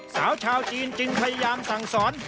สาวชาวจีนจึงพยายามสั่งสอน